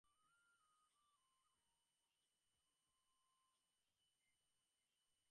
Kim Jong hyuk কোথায়?